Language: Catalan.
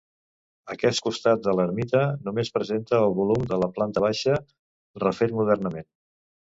Aquest costat de l'ermita només presenta el volum de la planta baixa, refet modernament.